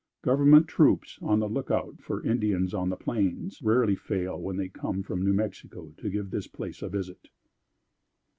Government troops, on the look out for Indians on the plains, rarely fail, when they come from New Mexico, to give this place a visit.